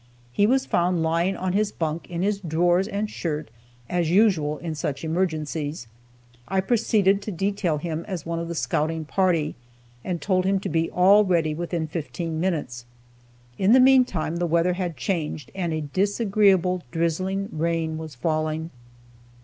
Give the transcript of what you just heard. He was found lying on his bunk, in his drawers and shirt as usual in such emergencies. I proceeded to detail him as one of the scouting party, and told him to be all ready within fifteen minutes. In the meantime, the weather had changed, and a disagreeable, drizzling rain was falling.